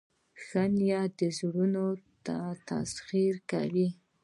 ښه نیت د زړونو تسخیر کوي.